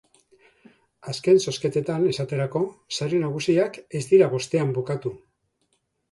Azken zozketetan, esaterako, sari nagusiak ez dira bostean bukatu.